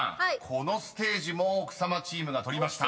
このステージも奥様チームが取りました］